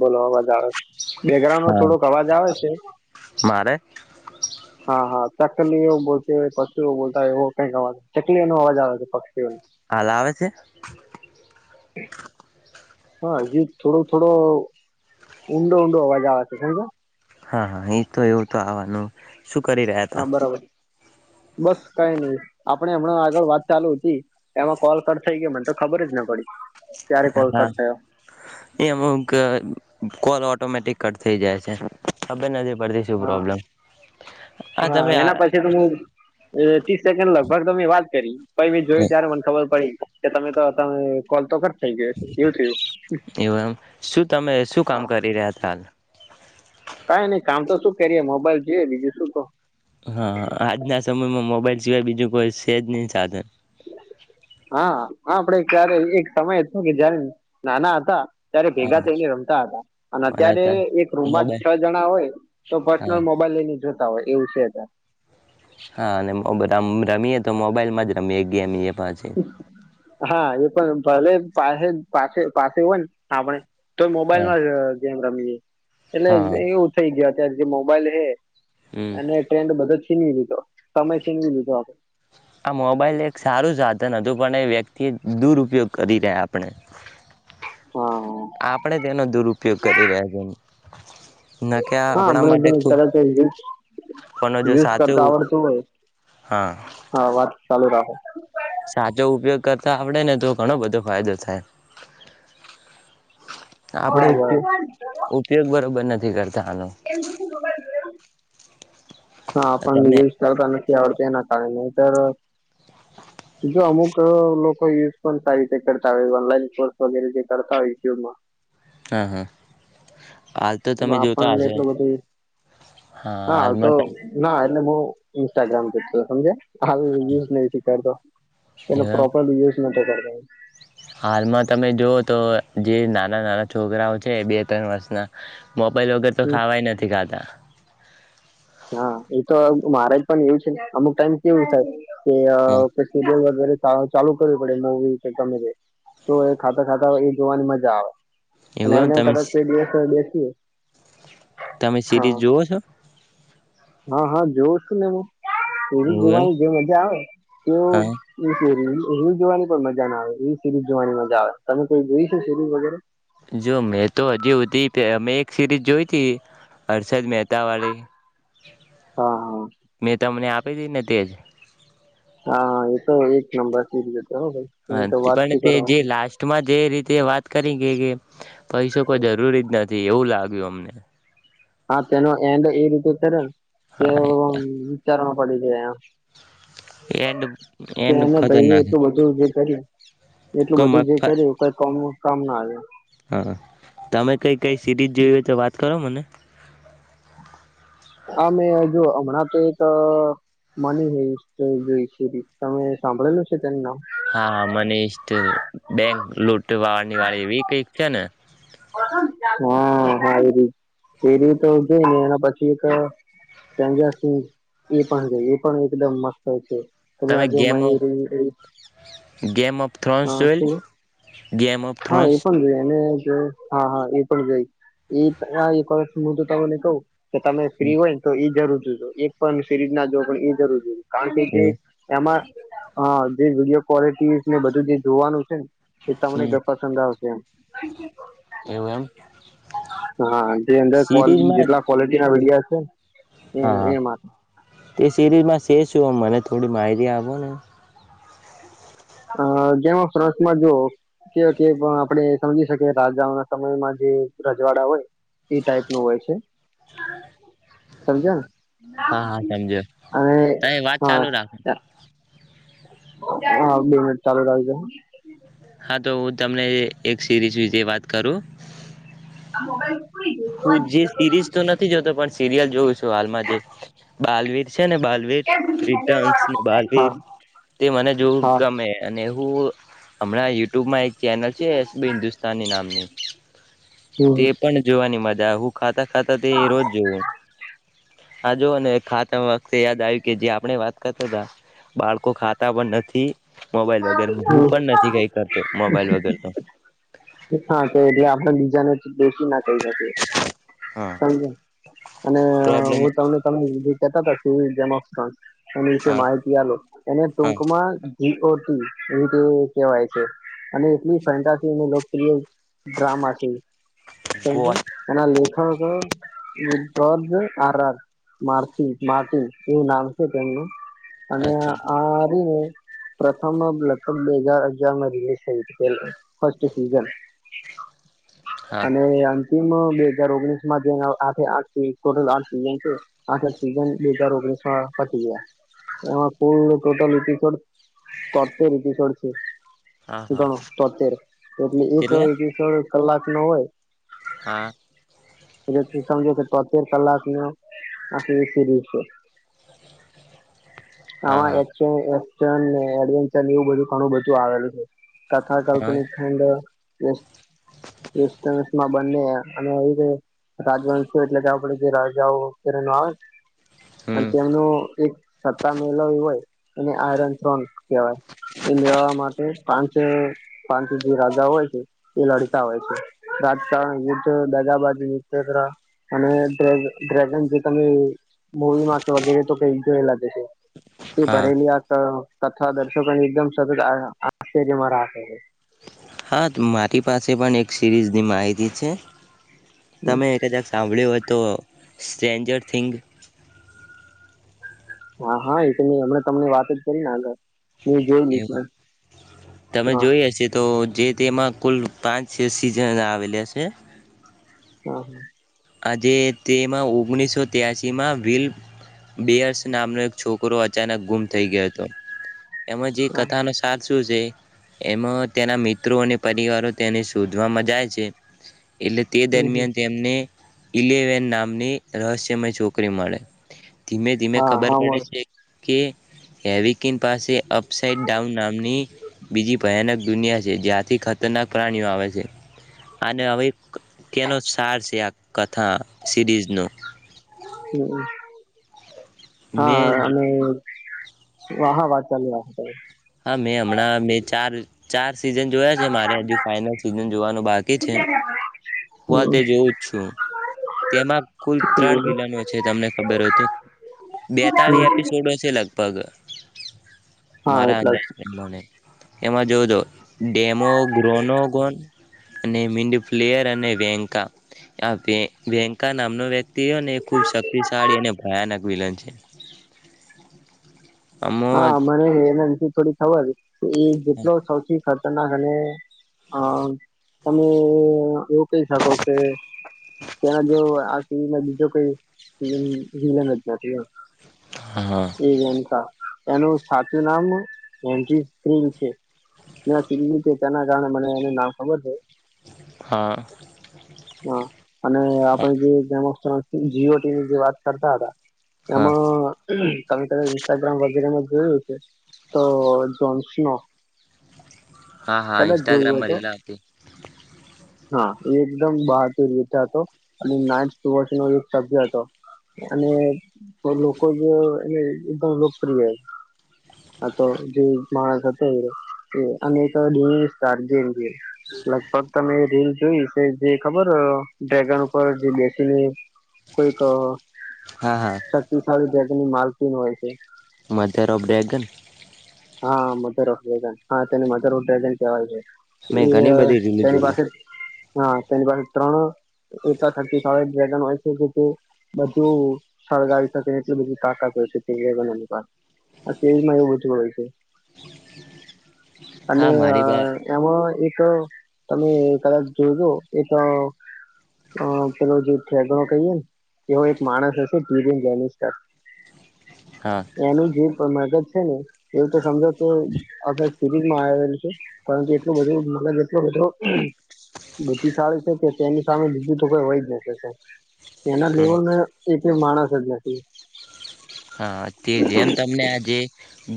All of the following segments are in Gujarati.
બોલો અવાજ આવે બેગ્રઉન્ડ નો હા થોડોક અવાજ આવે છે. મારે હા હા ચકલીઓ બોલતી હોય પશુઓ બોલતા હોય એવો કઈક અવાજ ચકલીઓ નો અવાજ આવે છે પક્ષીઓને. હ લ આવે છે. હા જે થોડો થોડો ઊંડો ઊંડો અવાજ આવે છે. હા હા એ તો એવું તો આવવાનું. શું કરી રહ્ય હા હતા. બરાબર બસ કઈ નહી આપણે હમણાં આગળ વાત ચાલુ હતી એમાં કોલ કર થઈ ગયો મને તો ખબર જ ન પડી. ક્યારે કોલ હા કટ થયો એમ કે કોલ ઓટોમેટિક કટ થઈ જાય છે. હ બેે નદી. પતીશું હા પ્રોબ્લેમ આ હા તમે આ એના પછી તો હું ત્રીસ સેકન્ડ લગભગ તમે વાત કરી. પછ મેી જોયું ત્યારે મને ખબર પડી. કે તમે તો તમે કોલ તો ખચ એવું એમ શું તમે શું કામ હા કરી રહ્ય હતા હાલ કઈ નઈ કામ તો શું કરીએ મોબાઈલ જોઈએ બીજું શું તો. હા આજના સમયમાં મોબાઈલ સિવાય બીજું કોઈ છેજ નહી સાધન. હા આપડે ક્યારે એક સમય હતો કે જયારે નાના હતા ત્યારે ભેગા થઈને રમતા હતા. અને અત્યારે એક રૂમમાં છ મોબાઈલ જણા હોય તો હા પર્સનલ મોબાઈલ લઈને જો હોય એવું છે તાર [inaudible] હા અને રમીએ તો મોબાઈલ માં જ રમીએ ગેમ. પાછી હા એ પણ પલે [inaudible] પાસે પાસે પાસે હોય ને આપણે તોય હા મોબાઈલમાં જ ગેમ તમીએ [inaudible] એટલે હા એવું થઇ ગયું. જે મોબાઈલ હ હમ અને ટ્રેન્ડ બધ જ ચીનવી લીધો સમય ચીનવી લીધો આપણે. આ મોબાઈલ એક સારું સાધન હતું પણ એ વ્યક્તિ દુરપયોગ કરી રહ્યા આપણે. હા આપણેે એનો દુરુપયોગ કરી રહ્યા છે એ ન કે હા આપણા માટે હમણાં ખ તરત કોનો જો યુઝ સાચું કરતા આવડતું હોય હા. હા વાત ચાલુ રાખો સાચો ઉપયોગ કરતા આપડે ને તો ઘણો બધો ફાયદો થાય. હા આપડે ઉપયો બરાબર ઉપયોગ બરોબર નથી. [inaudible] [inaudible] હા પણ તમે નિજે વિસ્તારતા નથી આવડત એ ના ન જો અમુક લોકો યુઝ પણ સારી રીતે કરતા હોય ઓનલાઈન કોર્સ વગેરે જે કરતા હોય યુટ્યુબમાં. હા હા હાલ તો તમે જોતા આપણને હશો એટલું બધું હા તો ના અને હું ઇન્સ્ટાગ્રામ [unintelligible] સમજે હારુ યુઝ નથી કરતો એનો એવા પ્રોપર યુઝ ન [inaudible] હાલમાં તમે જોઓ તો જે નાના નાના છોકરાઓ છે બે ત્રણ વર્ષના મોબાઈલ વગર તો ખાવાય નથી ખાતા હા એતો મહારાજ પણ એવું છે ને અમુક ટાઈમ કેવું સાહેબ કે અ હા પછી ચાલુ કરવી પડે મુવી કે ગમે તે એ ખાતા ખાતા એ જોવાની મજા આવે એવું અને એમ તમે [unintelligible] [inaudible] તમે હા સિરીઝ જોઓ છો. હા હા જોવ શું ને હુ સ્ટોરી એવું એમ જોવાની જે મજા આવે તો હા [unintelligible] હ જોવાની પણ મજા ના આવે સીરીઝ જોવાની મજા આવે તમે કોઈ જોઈશ સિરીઝ વગેરે જો મેં તો હજી હુધી અમે એક સિરીઝ જોઈ તી હર્ષદ મે તાવાળી હા મે તમને આપ કઈ દી ને તેે હા એ તો એક નંબર [unintelligible] હા એની તો વાત શું પણ તે જે કરવાની લાસ્ટમાં જે રીતે વાત કરી કે કે પૈસો કોઈ જરૂરી જ નથી એવું લાગ્યું અમને હા તેનો એન્ડ એ રીતે કરે ને કેવ હા વિચારણા પડે એન્ડ [unintelligible] એન્ડ કેને ભાઈ ખતરનાક એટલું બધું જે કર્યું એટલું કોઈ બધું જે મગફા કર્યું કઈ કોમ ન કામ ના આવ હા તમે કંઈક કઈ સિરીઝ જોવી હોય તો વાત કરો મને આ મે જો હમણાં તો એક મની હેઈસટ જોઈ તમે સાંભળેલું છે. તેનું નામ હા મનીષટ બેંક લૂટ વાની વાળી એવી કઈક છે ને હા હા એ [unintelligible] જઈ ને એના પછી એક સ્ટેન્જર થીન્ક્સ એ પણ જોઈ એ પણ એકદમ મસ્ત છે. તને આજુ [unintelligible] ગેમઅપ હા શું ઓફ હા એ થ્રોન્સ પણ જો અને હા હા એ પણ ગયે એ આ એક વરસ નુ જો તમને કહું કે તમે ફ્રી હોય ને તો ઈ જરૂર એક પણ સિરીઝ ના જો પણ એ જરૂર જોઈ કારણ કે જે એવું એમાં હા જે વિડીયો ક્વોલિટી ને બધ જે જોવાનું છે ને એ તમને હમ પસંદ આવશે એમ એવું એમ હા જે અંદર સિરીઝમાં જેટલા ક્વોલિટી ના વિડિયા [unintelligible] હા હા તે સિરીઝમાં તે શું મને થોડી માહિતી આપો ને અ જેમાં સરસમાં જો કે આપણે સમજી શકીએ રાજાઓ ના સમયમાં જે રજવાડા હોય એ ટાઈપ નું હોય છે સમજે હા હા સમજો અ તમે વાત હા ચાલુ રાખો હા બે મિનિટ ચાલુ રખ જે હા તો હું તમને એ એક સિરીઝ વિશે વાત કરું [unintelligible] હું જે સિરીઝ તો નથી જોતો પણ સિરિયલ જોઉ છુ હાલમા જે બાલવીર છે ને બાલવીર રેટિનસ ને હા બાલવીર તે મને જોવું હા ગમે અને હુ હમણા યુટ્યુબમા એક ચેનલ છે એસબી હિન્દુસ્તાન નામની હમ હમ તે પણ વાની મજા હું ખાતા ખાતા તે રોજ જોવું હા જોઓ ને ખાતા વખતે યાદ આવ્યુ કે જે આપણે વાત કરતા હતા બાળકો ખાતા પણ નથી હ મોબાઈલ વગર હું પણ નથી કઈ કરતો મોબાઈલ વગર તો હા તો એટલે આપણા બીજાને દોશી ના [unintelligible] અને પ્રોબ્લેમ હું તમને તમે [unintelligible] એની વિશે હા માહિતી આલુ એને હા ટુંકમા [unintelligible] એવીતે કવાય છે અને એટલી ફેન્સ્ટટિક લોકપ્રિય ડ્રામા છે ઈ સમજ ગોવા એના લેખ [unintelligible] એવું નામ છે તેમનું અને અચ્છા આ રીને પ્રથમ લગભગ, બે હજાર અગિયારમા રિલીઝ થઇતી ફસ્ટ સીઝન. હા અને, અમ. બે હજાર ઓગણીસમા જે આ આઠે, આઠ ટોટલ આઠ સીઝન છે, આઠે સીઝન બે હજાર ઓગણીસ મા પતી ગયા એમા કુલ ટોટલ. કરતે, [unintelligible] છે. હા હા ગણો તોતેંર એટલે એક. કેટલા [unintelligible] કલાક, નો હોય. હા એટલે સમજો કે તોતેંર કલાક ન આખી સિરીઝ છે. હા એમા હા એક્શન એડવેન્ચર ને એવું બધું, ઘણું બધું આવેલું છે. કથા હા કાલ્પનિક ખંડ. વસ્ટ વંશમાં બંને અને રાજવંશ, એટલે કે આપડ જે રાજાઓ આવે. અને, હમ તેમનું એક. સત્તા મેળવી હોય, એને આયરન ત્રણ કહેવાય એ મેળવવા માટે પાંચ પાંચ જે રાજા હોય છે, એ લડતા હોય છે, રાજકારણ યુદ્ધ દાદાબાજુ અને ડ્રેગન જે તમે મૂવીમા વગેરે તો ક જોય. [inaudible] એ હા ભરેલી આત આ. તથા [unintelligible] એકદમ સતત, આશ્ચર્યમાં રાખે. હા, મારી પાસે પણ એક સિરીઝની માહિતી છે. તમે એક કદાચ, સાંભળ્યું હોય. તો, સ્ટન્જર થિન્ંગ. હા, હા એ તો નહી, હમણા તમને વાત જ કરી ને આગળ. મેં જોયેલી એવું છે. તમે હા જોઈ હશે, તો. જે તેમાં કુલ, પાંચ સિઝન આવેલા છે. હા. આજે તેમાં ઓગણીસો ત્યાસીમા વિલ બયર્સ નામનો એક છોકરો અચાનક ગુમ થઈ, ગયો હતો. એમજ, એ હા કથાનોો સાથ. એમાં તેના મિત્રો, અને પરિવારો તેને શોધવા મજાય છે. એટલે, તે હમ દરમિયાન તેમને. ઇલેવન નામની રહસ્યમય, છોકરી મળે. ધીમે, ધીમે હા ખબર હા પડે મળે. છે. કે એવીિક. પાસે અપ સાઇડ, ડાઉન નામની બીજી ભયાનક. દુનિયા છે, જ્યાંથી ખતરનાક પ્રાણીઓ આવે છે, અને હવે તેનો સાર છે, આ કથા સિરીઝનું. હમ મેં હા, અને હાહા, વાત ચાાલુ રાખો. હમણાં, ચાર ચાર. સિઝન જોયા છે મારે હજુ ફાઈનલ સીઝન જોવાનું બાકી છે હું હમ કાલ તે જોવું જ છું તેમાં કુલ હમ. ત્રણ હમ. વિલનો છે તમને ખબર તો બેતાલીસ એપિસોડો છે લગભગ હા મારા એટલા જ [inaudible] મને એમાં જોજો ડેમો ગ્રોનોગન અને મીંડ પ્લેયર અને વેંકા આ વ વેંકા નામનો વ્યક્ તેઓ ને ખુબ શક્તિશાળી અને ભયાનક વિલન છે [unintelligible] હા મને એના [unintelligible] થોડી થવા દે તો એ જેટલો સૌથી [unintelligible] તના અને અ અમે એવું કહી શકો કે ત્યાના જો આ સ બીજો કોઈ સ વિલન જ નથી એમ હા હા એ જનતા એનું સાચું નામ [unintelligible] છે તેના કારણે મને એનું નામ ખબર છે હા. હા અને આપણે જે જેમા સૌથી જી ઓ ટી ની જે વાત કરતા અતા એમ હા તમે ત ઇન્સ્ટાગ્રામ વગેરેમાં જોયુ હસે તો જોન્સનો હા હા કદાચ જોયું હોય ઇન્સ્ટાગ્રામમાં તો રીલા અતી હા એ એકદમ બહાતુર રીઠ અતો અને નાટસ [unintelligible] નો એક સભ્ય હતો અને લોકો જ એ એકદમ લોકપ્રિય આ તો જો માણસ અતો રે એ [unintelligible] લગભગ તમે એ રીલ જોઈ અ તે જે ખબર ડ્રેગન ઉપર જે બેસીને કોઈક હા હા શક્તિશળી જ ની માલખીન હોય છે મધર ઓફ ડ્રેગન હા મધર ઓફ ડ્રેગન હા તેને મધરવડ ડ્રેગન કહેવાય છે મેં ઘણી એ બધી રીલ તેની જોયું પાસે હા તેની પાસે ત્રણ એ થતી ડ્રેગન હોય છે કે તે બધું સળગાવી શકે એટ બધું કાકાય છે ડ્રેગી એ હોય છે હ અને હા મારી પાસે એમાં એક તો તમે કદાચ જોજો એક પેલો જે કહીએ ને એવો એક માણસ હશે હા [unintelligible] એનું જે પણ મગજ છે ને એવું તો સમજો તો અ સ્થિતમાં આવેલી છે પરંતુ એટલું બધું મગજ એટલો બધો બુદ્ધિશાળી છે કે તેની સામે બીજું તો કોઈ હોય જ ન શકે એના લેવલને માણસ જ નથી હા તે જ એમ તમને આજે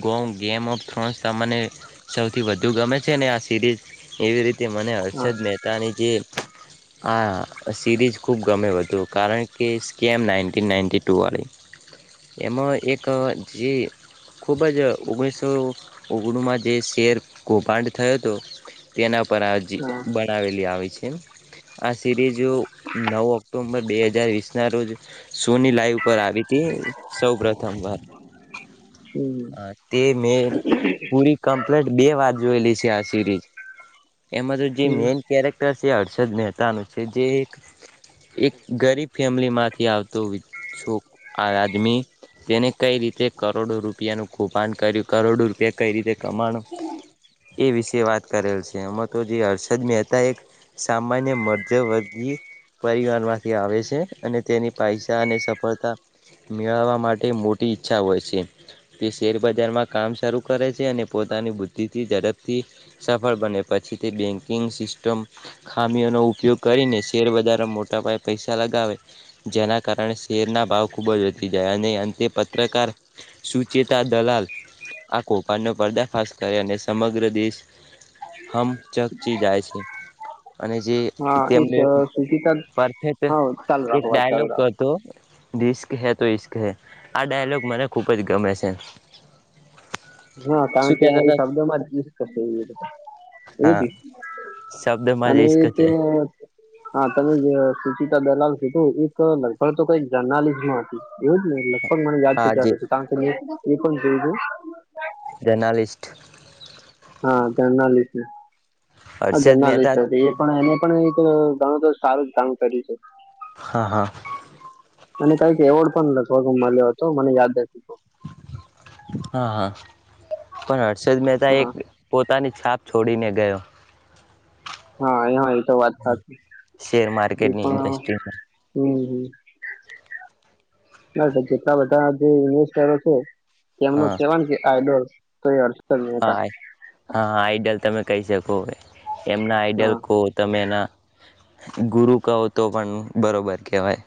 ગો ગેમ ઓફ થ્રોન્સ મને સૌથી વધુ ગમે છે ને આ સિરીઝ એવી રીતે મને હા હર્ષદ મહેતાની જે આ સિરીઝ ખૂબ ગમે હતું કારણ કે સ્કેમ નાઇન્ટીન નાઇન્ટી ટું વાળી એમાં એક જે ખૂબ જ ઓગણીસો ઓગણુંમાં જે શેર કૌભાંડ થયો હતો તેના પરાજી હા બનાવેલી આવે છે આ સિરીઝ નવ ઓક્ટોમબર બે હજાર વીસ ના રોજ સોની લાઈવ પર આવી હતી સૌ પ્રથમ વાર હમ તે મેં પૂરી કમ્પ્લીટ બે વાર જોયેલી છે આ સિરીઝ એમાં તો જે હમ મેન કેરેક્ટર જે હર્ષદ મહેતાનું છે જે એક એક ગરીબ ફેમિલી માંથી આવતો છોક આ આદમી તેને કઈ રીતે કરોડો રૂપિયાનું કુફાડ કર્યું કરોડો રૂપિયા કઈ રીતે પ્રમાણ એ વિશે વાત કરેલ છે એમાં તો જે હર્ષદ મહેતા એક સામાન્ય મધ્ય વર્ગી પરિવારનમાં થી આવે છે અને તેની પૈસા અને સફળતા મેળવવામાં માટે મોટી ઈચ્છા હોય છે તે શેરબજારમાં કામ શરૂ કરે છે અને પોતાની બુદ્ધિથી ઝડપથી સફળ બને પછી તે બેન્કિંગ સિસ્ટમ ખામીઓનો ઉપયોગ કરીને શેરબજારમાં મોટા પાયે પૈસા લગાવે જેના કારણે શેરના ભાવ ખૂબ જ વધી જાય અંતે પત્રકાર સુચેતા દલાલ આ કૌભાંડનો પર્દાફાશ કરે અને સમગ્ર દેશ હમ ચકચી જાય છે અને જે હા એ તેમને સુચિતા પરફેક્ટ હા ચાલુ એક રાખો વાત ચાલુ ડાયલોગ રાખો હતો રિસ્ક હે તો ઇશ્કસ હે આ ડાયલોગ મને ખૂબ જ ગમે છે હા કારણ શું કે કેતા એ હતા શબ્દો ઇશ્કસ હા છે શબ્દમાં અને જ ઇશ્ક હ છે તમે જે દલાલ કીધું એક લગભગ તો કઈક જર્નાલિસ્ટ ન હતી એવું જ ન પણ મને યાદ હા છે જે કારણ કે એ પણ જવું જર્નાલિસ્ટ હા [inaudible] હા હર્ષદ મહેતા જર્નાલિસ્ટ હતી એ પણ એને પણ એક ગણું તો સારું જ કામ કર્યું છે હા હા મને કઈ એવોર્ડ પણ લખવા મળ્યો હતો મને યાદ નથી હા હા પણ હર્ષદ મહેતા એક હા પોતાની છાપ છોડીને ગયો હા એ તો વાત સાચી શેર એ માર્કેટની પણ ઇન્ડસ્ટ્રીમાં હમ હ ના જેટલા બધા જે ઇન્વેસ્ટરો છે હા એમનું કેવાનું કે આઈડોલ તો એ હર્ષ હા હા આઈડલ તમે કહી શકો હૉ વે એમના આઈડલ હા કહ તમે એના ગુરુ કહો તો પણ બરોબર કહેવાય